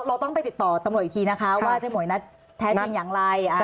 เราต้องไปติดต่อตำรวจอีกทีนะคะว่าเจ๊หวยนัดแท้จริงอย่างไร